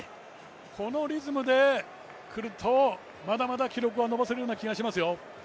このリズムで来るとまだまだ記録は伸ばせるような気がしますよ。